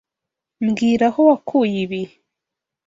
Mbwira aho wakuye ibi.